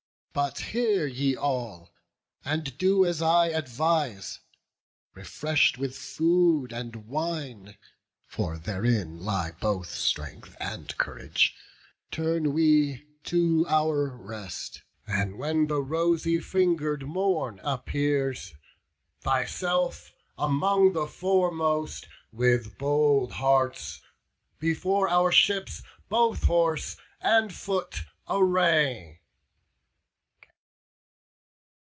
But hear ye all, and do as I advise: Refresh'd with food and wine (for therein lie Both strength and courage), turn we to our rest; And when the rosy finger'd morn appears, Thyself among the foremost, with bold hearts, Before our ships both horse and foot array."